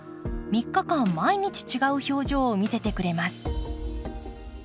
３日間毎日違う表情を見せてくれます。